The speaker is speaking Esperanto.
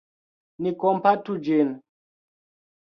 Ni kompatu ĝin.